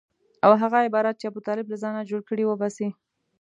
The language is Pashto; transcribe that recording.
او هغه عبارات چې ابوطالب له ځانه جوړ کړي وباسي.